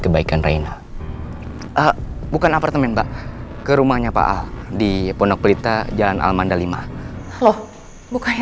kebaikan rena bukan apartemen mbak ke rumahnya pak al di pondok pelita jalan almanda lima loh bukannya